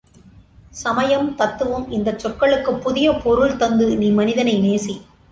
சமயம் தத்துவம் இந்தச் சொற்களுக்குப் புதிய பொருள் தந்து நீ மனிதனை நேசி!